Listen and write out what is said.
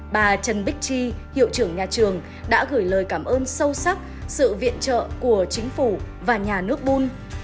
bà trần bích chi hiệu trưởng nhà trường đã gửi lời cảm ơn sâu sắc sự viện trợ của chính phủ và nhà nước bun